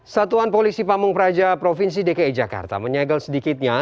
satuan polisi pamung praja provinsi dki jakarta menyegel sedikitnya